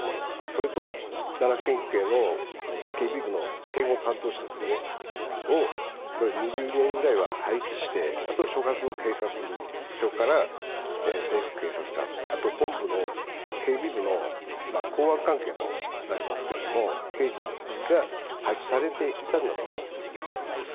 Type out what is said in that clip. それと奈良県警の警備部の警護担当者を２０人ぐらいは配置して、あと所轄の警察署から制服警察官、あと本部の警備部の公安関係になりますけれども、刑事が配置されていたんだと思います。